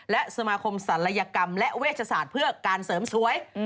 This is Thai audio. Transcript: และสมาคมศัลยกรรมและเวชศาสตร์เพื่อการเสริมสวย